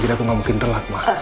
jadi aku gak mungkin telat ma